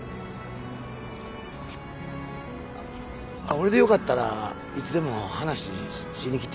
俺でよかったらいつでも話しに来て。